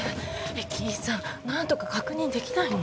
駅員さん何とか確認できないの？